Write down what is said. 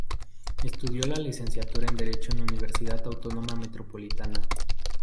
Estudió la Licenciatura en Derecho en la Universidad Autónoma Metropolitana.